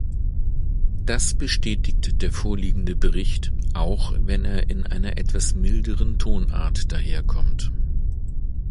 Das bestätigt der vorliegende Bericht, auch wenn er in einer etwas milderen Tonart daherkommt.